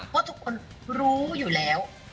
ว่าทุกคนรู้อยู่แล้ว